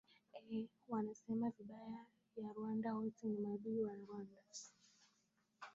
e wanasema vibaya ya rwanda wote ni maadui wa rwanda